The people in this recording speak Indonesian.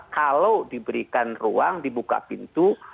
kalau diberikan ruang dibuka pintu